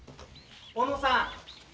小野さん